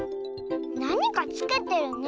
なにかつけてるね。